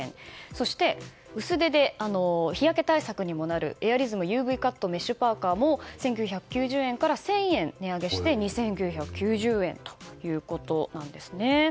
そして薄手で日焼け対策にもなるエアリズムＵＶカットメッシュパーカも１９９０円から１０００円値上げして２９９０円ということなんですね。